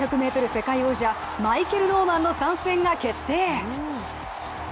世界王者マイケル・ノーマンの参戦が決定。